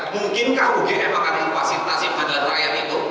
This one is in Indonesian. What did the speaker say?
mungkinkah ugm akan infasitasi pengadilan rakyat itu